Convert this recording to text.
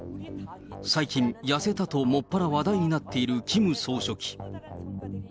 最近、痩せたともっぱら話題になっているキム総書記。